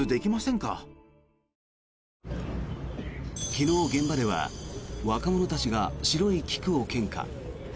昨日、現場では若者たちが白い菊を献花。